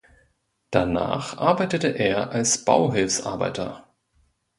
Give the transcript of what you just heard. Danach arbeitete er als Bauhilfsarbeiter.